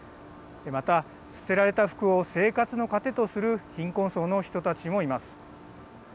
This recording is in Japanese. また、捨てられた服を生活のかてとする貧困層の人たちもいます。